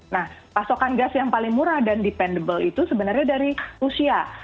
nah pasokan gas yang paling murah dan dependenble itu sebenarnya dari rusia